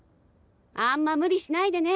あんま無理しないでね。